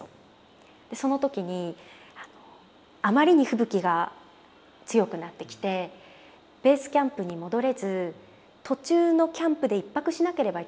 その時にあまりに吹雪が強くなってきてベースキャンプに戻れず途中のキャンプで１泊しなければいけなかったんですね。